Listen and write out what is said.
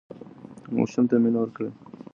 ماشوم ته مینه ورکړه.